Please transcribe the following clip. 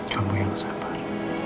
kamu yang sabar